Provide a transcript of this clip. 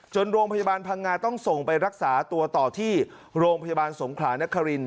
โรงพยาบาลพังงาต้องส่งไปรักษาตัวต่อที่โรงพยาบาลสงขลานคริน